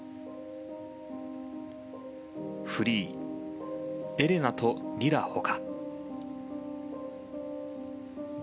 フリー、「エレナとリラ」他。